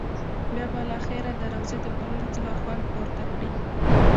بیا به له خیره د روضې د ګلونو څخه خوند پورته کړې.